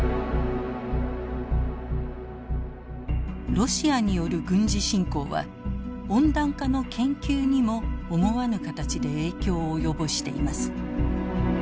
ロシアによる軍事侵攻は温暖化の研究にも思わぬ形で影響を及ぼしています。